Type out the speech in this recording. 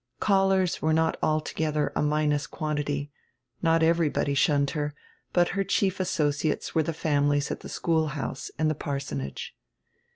Callers were not altogether a minus quantity, not every body shunned her; but her chief associates were the families at the schoolhouse and the parsonage.